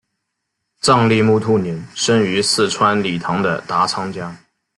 藏历木兔年生于四川理塘的达仓家。